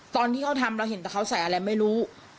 ตอนที่เขาทำเราเห็นแต่เขาใส่อะไรไม่รู้